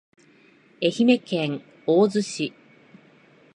愛媛県大洲市